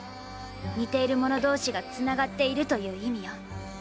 似ているもの同士がつながっているという意味よ。